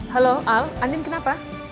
halo al andi kenapa